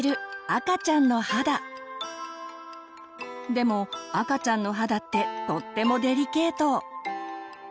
でも赤ちゃんの肌ってとってもデリケート。